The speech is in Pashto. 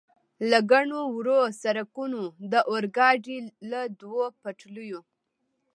له ګڼو وړو سړکونو، د اورګاډي له دوو پټلیو.